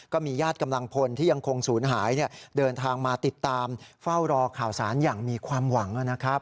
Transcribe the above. ก็มีญาติกำลังพลที่ยังคงศูนย์หายเดินทางมาติดตามเฝ้ารอข่าวสารอย่างมีความหวังนะครับ